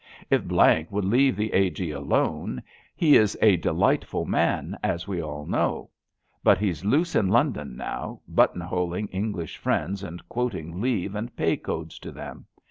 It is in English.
If M would leave the A. G. alone he is a delightful man, as we all know; but he's loose in London now, button holing English friends and quoting leave and pay codes to them.